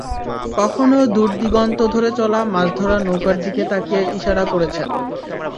কখনো দূর দিগন্ত ধরে চলা মাছধরা নৌকার দিকে তাকিয়ে ইশারা করেছেন।